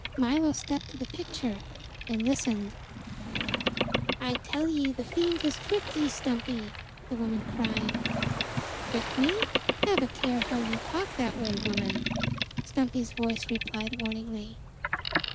Milo stepped to the picture and listened. "I tell ye the fiend has tricked ye, Stumpy!" the woman cried. "Tricked me? Have a care how ye talk that way, woman!" Stumpy's voice replied warningly.